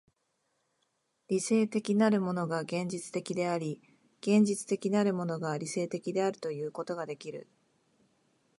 理性的なるものが現実的であり、現実的なるものが理性的であるということができる。